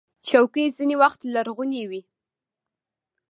چوکۍ ځینې وخت لرغونې وي.